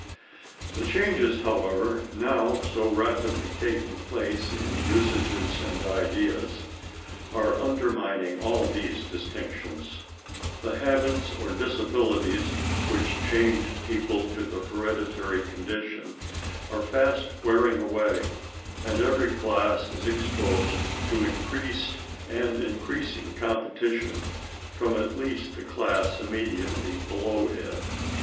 The changes, however, now so rapidly taking place in usages and ideas, are undermining all these distinctions; the habits or disabilities which chained people to their hereditary condition are fast wearing away, and every class is exposed to increased and increasing competition from at least the class immediately below it.